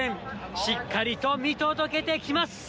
しっかりと見届けてきます。